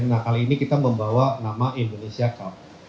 nah kali ini kita membawa nama indonesia cup